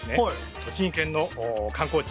栃木県の観光地